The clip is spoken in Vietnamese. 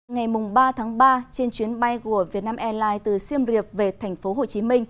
ngày ba tháng ba trên chuyến bay của vietnam airlines từ siem riệp về tp hcm